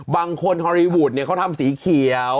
บางคนฮอลลีวูดเขาทำสีเขียว